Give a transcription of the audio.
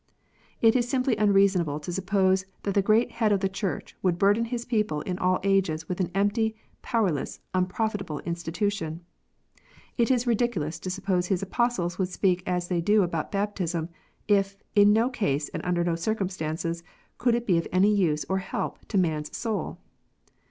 It is simply unreasonable to suppose that the Great Head of the Church would burden His people in all ages with an empty, powerless, unprofitable institution. It is ridiculous to suppose His Apostles would speak as they do about baptism, if, in no case, and under no circumstances, could it be of any use or help to man s soul.